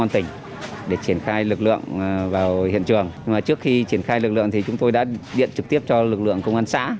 vào hiện trường trước khi triển khai lực lượng thì chúng tôi đã điện trực tiếp cho lực lượng công an xã